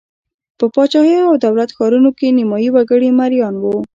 په پاچاهیو او دولت ښارونو کې نیمايي وګړي مریان وو.